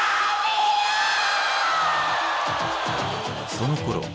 そのころ